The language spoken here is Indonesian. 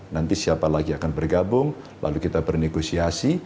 nanti siapa lagi akan bergabung lalu kita bernegosiasi